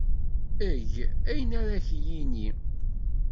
Eg ayen ara ak-yini.